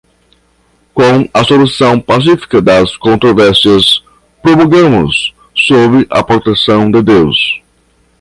com a solução pacífica das controvérsias, promulgamos, sob a proteção de Deus